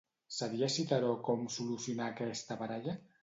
Sabia Citeró com solucionar aquesta baralla?